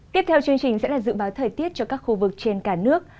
tiếp theo chương trình sẽ là dự báo thời tiết cho các khu vực trên cả nước